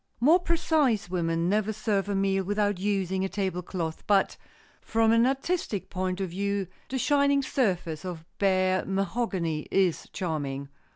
More precise women never serve a meal without using a table cloth, but from an artistic point of view the shining surface of bare mahogany is charming.